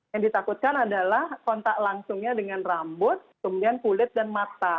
yang ditakutkan adalah kontak langsungnya dengan rambut kemudian kulit dan mata